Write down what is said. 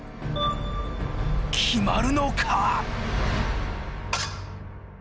決まるのか！？